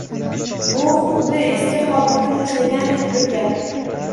- Bu xuddi eski qobiqni tashlagandek bir gap.